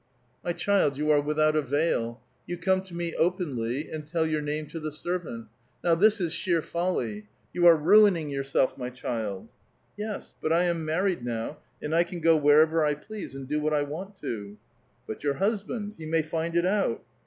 '* M3' child, you are without a veil. You come to me openly, and tell your name to the servant. Now this is sheer folly. You are ruining 3*ourself , my child !" "Yes, but I am married now, and I can go wherever I please, and do what I want to." " But your husband ; he may find it out."